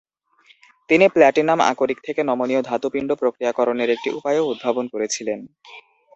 তিনি প্ল্যাটিনাম আকরিক থেকে নমনীয় ধাতুপিন্ড প্রক্রিয়াকরণের একটি উপায়ও উদ্ভাবন করেছিলেন।